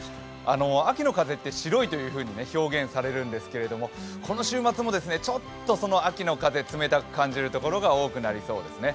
秋の風って「白い」と表現されるんですけれども、この週末もちょっと秋の風冷たく感じるところが多くなりそうですね。